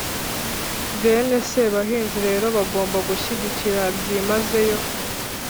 bene sebahinzi rero bagomba kushyigikira byimazeyo